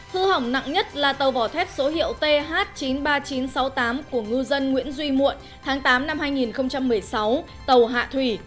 hư hỏng nặng nhất là tàu vỏ thép số hiệu th chín mươi ba nghìn chín trăm sáu mươi tám của ngư dân nguyễn duy muộn tháng tám năm hai nghìn một mươi sáu tàu hạ thủy